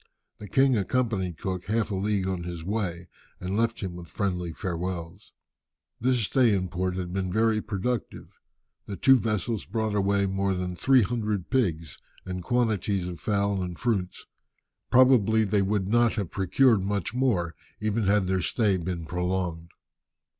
The king accompanied Cook half a league on his way, and left him with friendly farewells. This stay in port had been very productive. The two vessels brought away more than three hundred pigs, and quantities of fowls and fruits. Probably they would not have procured much more, even had their stay been prolonged.